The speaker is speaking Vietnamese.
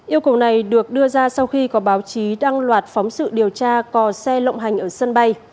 yêu cầu này được đưa ra sau khi có báo chí đăng loạt phóng sự điều tra cò xe lộng hành ở sân bay